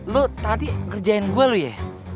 lo tadi ngerjain gua lo ya